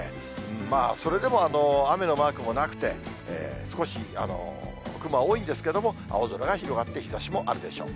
まあ、それでも雨のマークもなくて、少し雲は多いんですけども、青空が広がって、日ざしもあるでしょう。